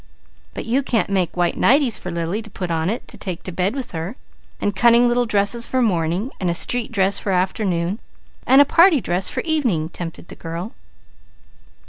"But you can't make white nighties for Lily to put on it to take to bed with her, and cunning little dresses for morning, and a street dress for afternoon, and a party dress for evening," tempted the girl.